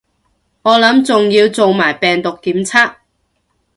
我諗仲要做埋病毒檢測